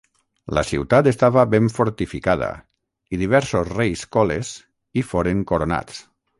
La ciutat estava ben fortificada i diversos reis coles hi foren coronats.